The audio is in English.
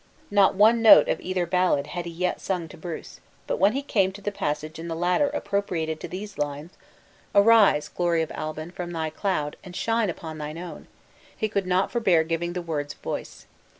Not one note of either ballad had he yet sung to Bruce; but when he came to the passage in the latter appropriated to these lines "Arise, glory of Albin, from thy cloud, And shine upon thy own!" he could not forbear giving the words voice.